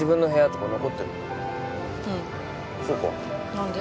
何で？